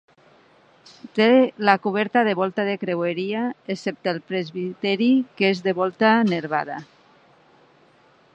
Té la coberta de volta de creueria, excepte el presbiteri que és de volta nervada.